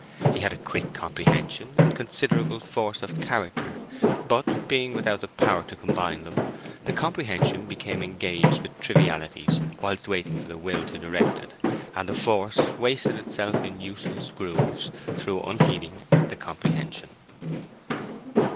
He had a quick comprehension and considerable force of character; but, being without the power to combine them, the comprehension became engaged with trivialities whilst waiting for the will to direct it, and the force wasted itself in useless grooves through unheeding the comprehension.